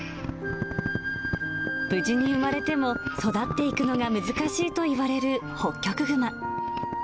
無事に産まれても、育っていくのが難しいといわれるホッキョクグマ。